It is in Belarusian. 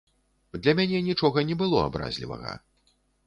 Для мяне нічога не было абразлівага.